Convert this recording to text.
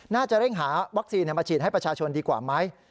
น่าจะเร่งหาวัคซีนมาฉีดให้ประชาชนดีกว่าไหม